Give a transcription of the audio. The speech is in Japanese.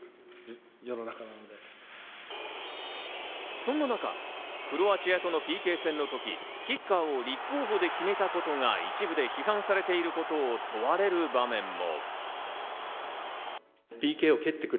そんな中、クロアチアとのＰＫ戦のとき、キッカーを立候補で決めたことが一部で批判されていることを問われる場面も。